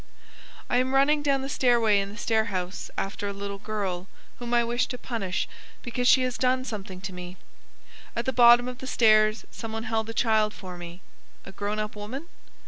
"I am running down the stairway in the stair house after a little girl, whom I wish to punish because she has done something to me. At the bottom of the stairs some one held the child for me. (A grown up woman?)